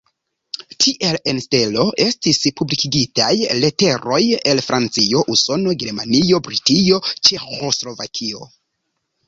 Tiel en "Stelo" estis publikigitaj leteroj el Francio, Usono, Germanio, Britio, Ĉeĥoslovakio.